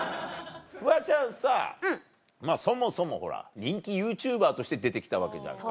フワちゃんさそもそも人気ＹｏｕＴｕｂｅｒとして出て来たわけじゃんか。